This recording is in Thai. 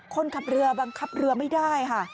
คนขับเรือบังคับเรือไม่ได้ค่ะ